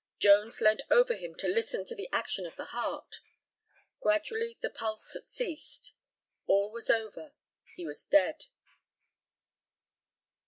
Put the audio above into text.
Jones leant over him to listen to the action of the heart. Gradually the pulse ceased all was over he was dead.